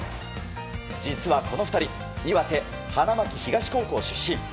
実はこの２人岩手・花巻東高校出身。